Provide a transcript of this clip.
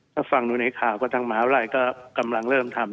ถ้าฟังดูในข่าวก็ทั้งหมายว่าอะไรก็กำลังเริ่มทำ